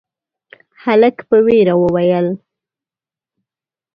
هلک په وېره وويل: